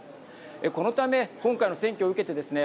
このため今回の選挙を受けてですね